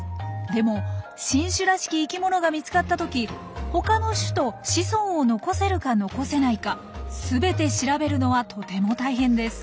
でも新種らしき生きものが見つかったとき他の種と子孫を残せるか残せないか全て調べるのはとても大変です。